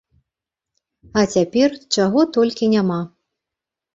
А цяпер чаго толькі няма.